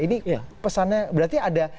ini pesannya berarti ada